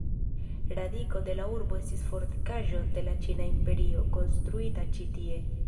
Radiko de la urbo estis fortikaĵo de la Ĉina Imperio, konstruita ĉi-tie.